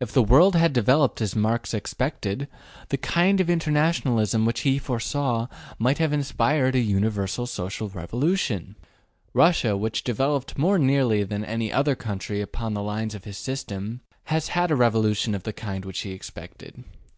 If the world had developed as Marx expected, the kind of internationalism which he foresaw might have inspired a universal social revolution. Russia, which devel oped more nearly than any other country upon the lines of his system, has had a revolution of the kind which he expected.